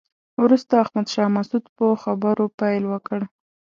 وروسته احمد شاه مسعود په خبرو پیل وکړ.